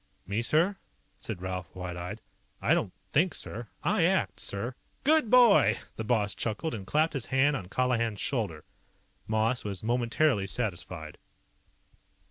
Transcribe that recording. "Me, sir?" said Ralph, wide eyed. "I don't think, sir. I ACT, sir!" "Good boy!" The boss chuckled and clapped his hand on Colihan's shoulder. Moss was momentarily satisfied.